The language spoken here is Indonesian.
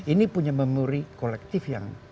ini punya memori kolektif yang